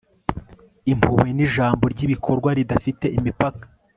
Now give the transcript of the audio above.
impuhwe ni ijambo ry'ibikorwa ridafite imipaka